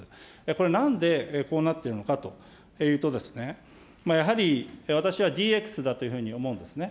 これ、なんでこうなっているのかというとですね、やはり私はＤＸだというふうに思うんですね。